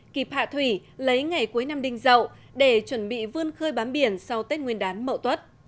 kịp hạ thủy lấy ngày cuối năm đình dậu để chuẩn bị vươn khơi bám biển sau tết nguyên đán mậu tuất